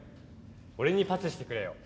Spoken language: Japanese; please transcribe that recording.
俺にパスしてくれよ。